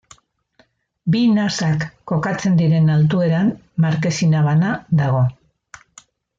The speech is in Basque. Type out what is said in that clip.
Bi nasak kokatzen diren altueran markesina bana dago.